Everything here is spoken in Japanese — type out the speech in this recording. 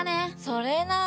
それな。